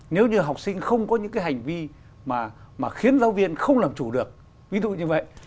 nếu như học sinh không có những cái hành vi mà khiến giáo viên không làm chủ được ví dụ như vậy